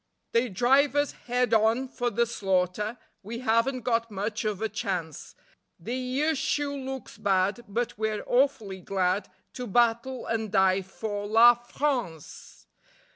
_ They drive us head on for the slaughter; We haven't got much of a chance; The issue looks bad, but we're awfully glad To battle and die for La France.